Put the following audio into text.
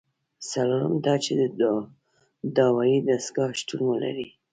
څلورم دا چې د داورۍ دستگاه شتون ولري.